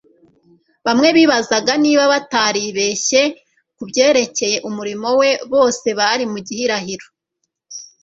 Bamwe bibazaga niba bataribeshye ku byerekcye umurimo we. Bose bari mu gihirahiro.